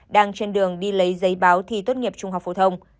đang trên đường đi lấy giấy báo thi tốt nghiệp trung học phổ thông